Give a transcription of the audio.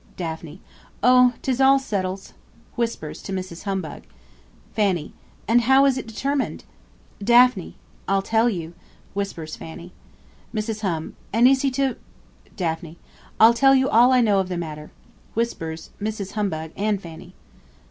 Daphne. Oh! 'tis all settled. (Whispers MRS. HUMBUG.) Fanny. And how is it determined? Daphne. I'll tell you. (Whispers FANNY.) Mrs. Hum. And is he to ? Daphne. I'll tell you all I know of the matter. (Whispers MRS. HUMBUG and FANNY.)